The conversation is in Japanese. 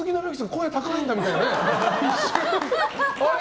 声高いんだみたいなね。